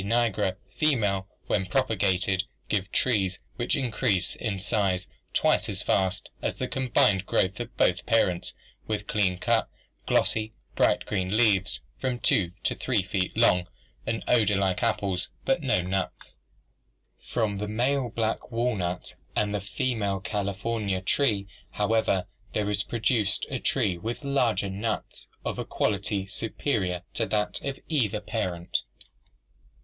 nigra) female when propa gated give trees which increase in size twice as fast as the com bined growth of both parents, with clean cut, glossy, bright green leaves from two to three feet long, an odor like apples, but no nuts. The hybrid is therefore sterile. From the male black walnut and 132 ORGANIC EVOLUTION the female California tree, however, there is produced a tree with larger nuts of a quality superior to that of either parent.